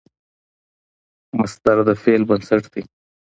مصدر د فعل بنسټ دئ.